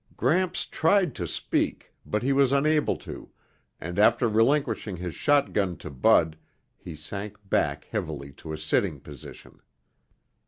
Gramps tried to speak, but he was unable to, and after relinquishing his shotgun to Bud, he sank back heavily to a sitting position.